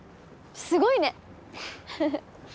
すごいね。